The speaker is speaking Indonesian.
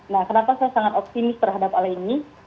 nah kenapa saya sangat optimis terhadap hal ini